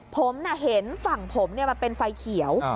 ผมเห็นฝั่งผมมันเป็นไฟเขียว